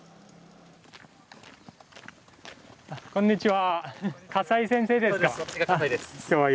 こんにちは。